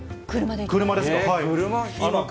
車ですか。